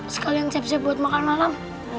sekalian cep cep buat makan malam